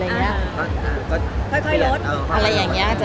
ค่อยลด